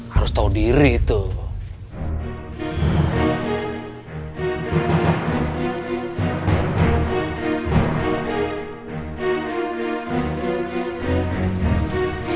harus tau diri tuh